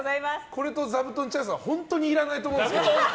これとザブトンチャンスは本当にいらないと思うんですけど。